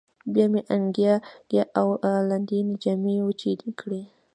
بیا مې انګیا او لاندینۍ جامې وچې کړې.